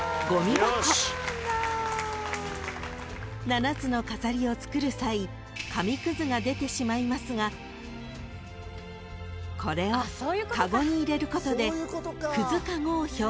［７つの飾りを作る際紙くずが出てしまいますがこれをかごに入れることでくずかごを表現］